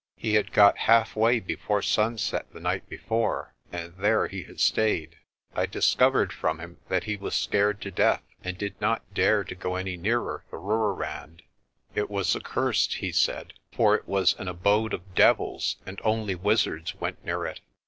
He had got half way before sunset the night before, and there he had stayed. I discovered from him that he was scared to death, and did not dare to go any nearer the Rooirand. It was accursed, he said, for it was an abode of devils and only wizards went near it.